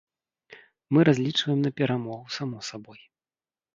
Мы разлічваем на перамогу, само сабой.